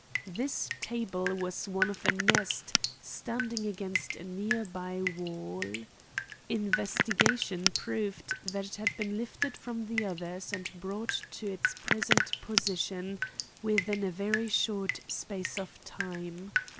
This table was one of a nest standing against a near by wall. Investigation proved that it had been lifted from the others and brought to its present position within a very short space of time.